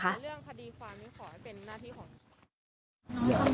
ลูกสาวหลายครั้งแล้วว่าไม่ได้คุยกับแจ๊บเลยลองฟังนะคะ